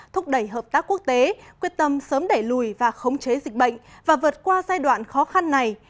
thúc đẩy hợp tác quốc tế quyết tâm sớm đẩy lùi và khống chế dịch bệnh và vượt qua giai đoạn khó khăn này